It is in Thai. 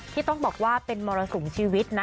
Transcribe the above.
ที่ต้องบอกว่าเป็นมรสุมชีวิตนะ